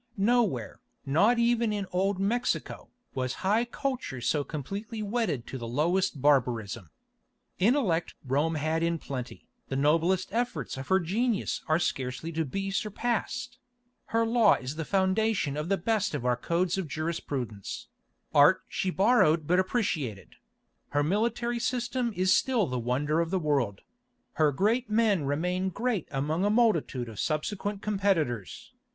Nowhere, not even in old Mexico, was high culture so completely wedded to the lowest barbarism. Intellect Rome had in plenty; the noblest efforts of her genius are scarcely to be surpassed; her law is the foundation of the best of our codes of jurisprudence; art she borrowed but appreciated; her military system is still the wonder of the world; her great men remain great among a multitude of subsequent competitors.